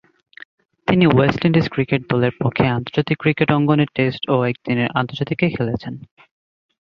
তিনি West Indies cricket দলের পক্ষে আন্তর্জাতিক ক্রিকেট অঙ্গনে টেস্ট ও একদিনের আন্তর্জাতিকে খেলেছেন।